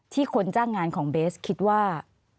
คนจ้างงานของเบสคิดว่า